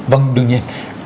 vâng đương nhiên